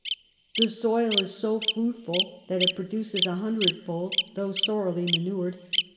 The Soil is so fruitful that it produces a hundred fold, tho sorrily manur'd.